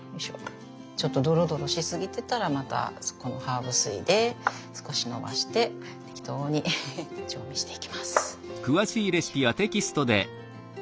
ちょっとドロドロしすぎてたらまたこのハーブ水で少しのばして適当に調味していきます。